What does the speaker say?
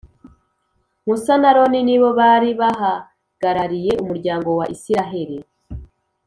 Musa n’Aroni nibo bari bahagarariye umuryango wa isiraheli